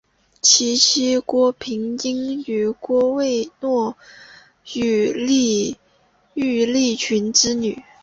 其妻郭平英为郭沫若与于立群之女。